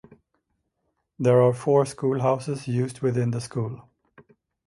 There are four school houses used within the school.